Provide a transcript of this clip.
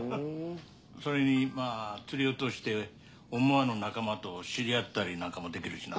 それに釣りを通して思わぬ仲間と知り合ったりなんかもできるしな。